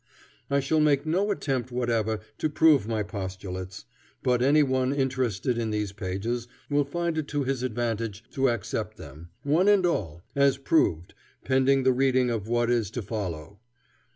I shall make no attempt whatever to prove my postulates, but any one interested in these pages will find it to his advantage to accept them, one and all, as proved, pending the reading of what is to follow.